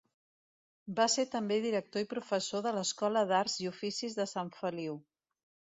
Va ser també director i professor de l'escola d'arts i oficis de Sant Feliu.